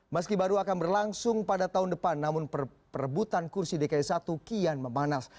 meski baru akan berlangsung pada tahun depan namun perebutan kursi dki satu kian memanas